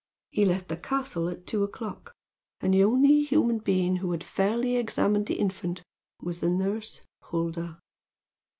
He left the castle at two o'clock; and the only human being who had fairly examined the infant was the nurse, Huldah.